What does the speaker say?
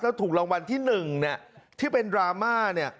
แล้วถูกรางวัลที่๑ที่เป็นดราม่า